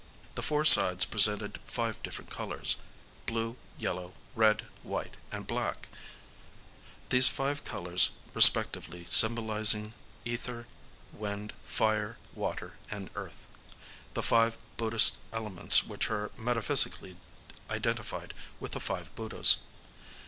The four sides presented five different colors,—blue, yellow, red, white, and black; these five colors respectively symbolizing Ether, Wind, Fire, Water, and Earth,—the five Buddhist elements which are metaphysically identified with the Five Buddhas.